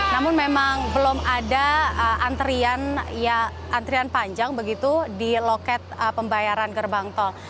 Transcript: namun memang belum ada antrian panjang begitu di loket pembayaran gerbang tol